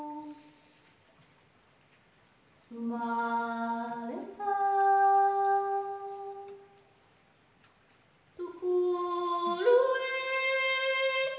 「生まれたところへ」